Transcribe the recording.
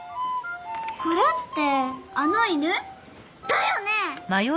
これってあの犬？だよね！